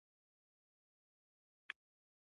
علي د کلي په ټول لانجو کې لاس لري.